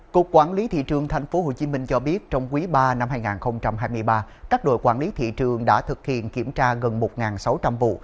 cục quản lý thị trường tp hcm cho biết trong quý ba năm hai nghìn hai mươi ba các đội quản lý thị trường đã thực hiện kiểm tra gần một sáu trăm linh vụ